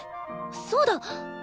そうだ！